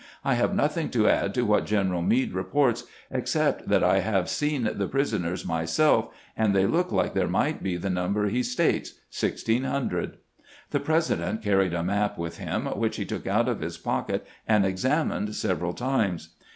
I have nothing to add to what General Meade reports, except that I have seen the prisoners myself, and they look like there might be the number he states — 1600." The President carried a map with him, which he took out of his pocket and examined several times.